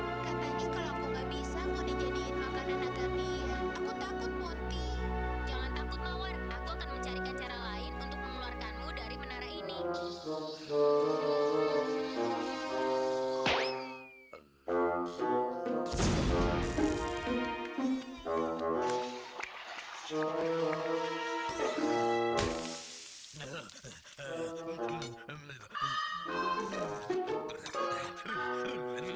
aku takut takut aku akan mencari cara lain untuk mengeluarkanmu dari menara ini